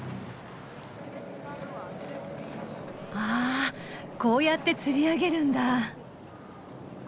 あこうやってつり上げるんだ。